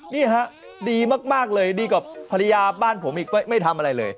นี่ฮะดีมากเลยดีกว่าภรรยาบ้านผมอีกไม่ทำอะไรเลย